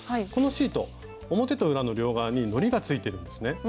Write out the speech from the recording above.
このシート表と裏の両側にのりが付いてるんですね。